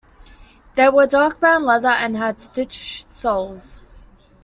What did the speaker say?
They were a dark brown leather and had stitched soles.